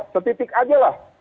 setitik aja lah